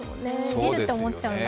ビルと思っちゃうんだ。